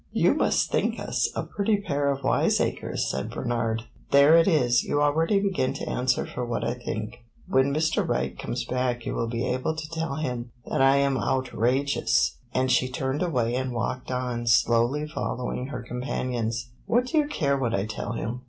"You must think us a pretty pair of wiseacres," said Bernard. "There it is you already begin to answer for what I think. When Mr. Wright comes back you will be able to tell him that I am 'outrageous'!" And she turned away and walked on, slowly following her companions. "What do you care what I tell him?"